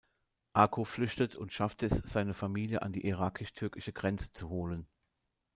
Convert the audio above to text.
Ako flüchtet und schafft es, seine Familie an die irakisch-türkische Grenze zu holen.